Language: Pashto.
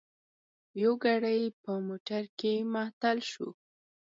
یو ګړی په موټر کې معطل شوو.